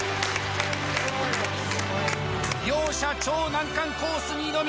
両者超難関コースに挑み